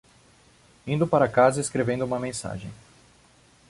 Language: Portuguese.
Indo para casa e escrevendo uma mensagem